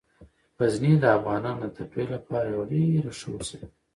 غزني د افغانانو د تفریح لپاره یوه ډیره ښه وسیله ده.